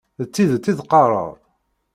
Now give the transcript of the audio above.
D tidet i d-teqqareḍ?